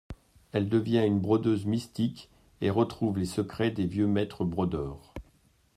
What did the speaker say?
Elle devient une brodeuse mystique et retrouve les secrets des vieux maîtres brodeurs.